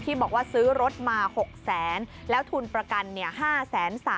ที่บอกว่าซื้อรถมา๖๐๐๐๐๐บาทแล้วทุนประกัน๕๓๐๐๐๐บาท